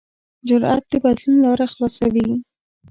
جرأت د بدلون لاره خلاصوي.